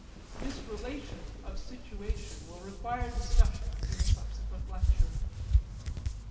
This relation of situation will require discussion in a subsequent lecture.